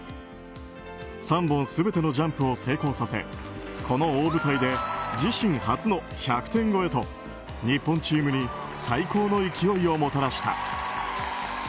３本全てのジャンプを成功させこの大舞台で自身初の１００点越えと日本チームに最高の勢いをもたらした。